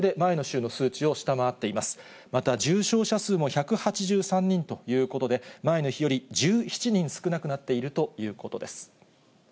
また重症者数も１８３人ということで、前の日より１７人少なくなっているということです。